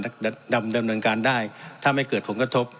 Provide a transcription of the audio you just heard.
ถ้าดำเนินการได้ถ้าไม่เกิดผลกระทบ